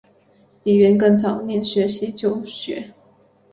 李根源早年学习旧学。